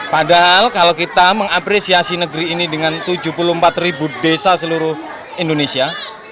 padahal kalau kita mengapresiasi negeri ini dengan tujuh puluh empat ribu desa seluruh indonesia